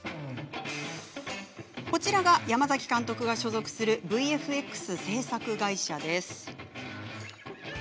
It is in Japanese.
こちらが、山崎監督が所属するＶＦＸ制作会社です。